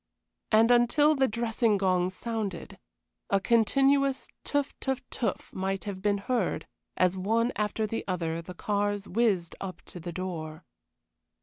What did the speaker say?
And until the dressing gong sounded, a continuous teuf teuf teuf might have been heard as, one after another, the cars whizzed up to the door.